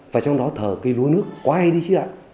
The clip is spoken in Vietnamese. và trong đó thờ cây lúa nước quay đi chứ ạ